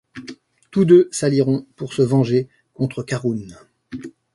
Tous deux s'allieront pour se venger contre Kharoun.